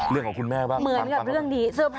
เรื่องแบบเรื่องของคุณแม่ค่ะ